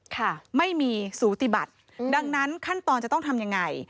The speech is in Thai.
ค่ะไม่มีสูติบัติดังนั้นขั้นตอนจะต้องทำยังไง